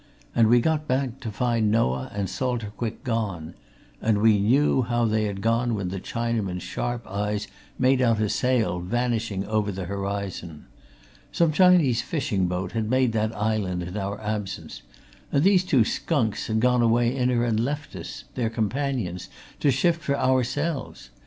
And we got back to find Noah and Salter Quick gone and we knew how they had gone when the Chinaman's sharp eyes made out a sail vanishing over the horizon. Some Chinese fishing boat had made that island in our absence, and these two skunks had gone away in her and left us, their companions, to shift for ourselves.